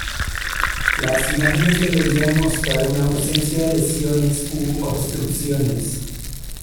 Las imágenes deberían mostrar una ausencia de lesiones u obstrucciones.